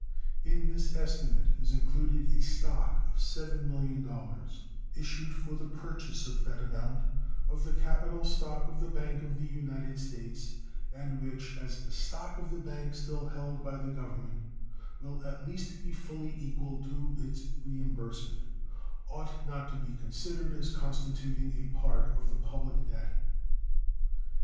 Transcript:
In this estimate is included a stock of $7 millions, issued for the purchase of that amount of the capital stock of the Bank of the United States, and which, as the stock of the bank still held by the Government will at least be fully equal to its reimbursement, ought not to be considered as constituting a part of the public debt.